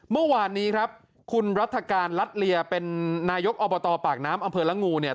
เมื่อวานนี้ครับคุณรัฐการลัดเลียเป็นนายกอบตปากน้ำอำเภอละงูเนี่ย